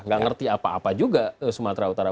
gak ngerti apa apa juga sumatera utara